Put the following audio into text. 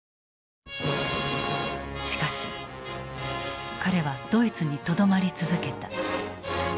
しかし彼はドイツにとどまり続けた。